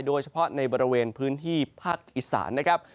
โดยเฉพาะในบริเวณพื้นที่ภาคอีสานนะครับ